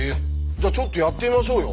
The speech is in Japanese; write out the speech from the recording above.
じゃあちょっとやってみましょうよ。